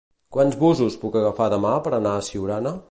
Quants busos puc agafar demà per anar a Siurana?